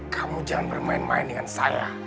kamu jangan bermain main dengan saya